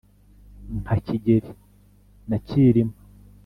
nka kigeli na cyilima